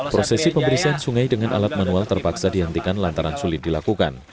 prosesi pembersihan sungai dengan alat manual terpaksa dihentikan lantaran sulit dilakukan